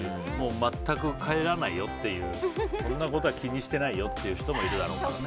全く帰らないよっていうそんなことは気にしてないよって人もいるだろうからね。